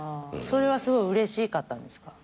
それはすごいうれしかったんですか？